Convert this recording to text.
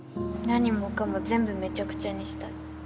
何もかも全部めちゃくちゃにしたい。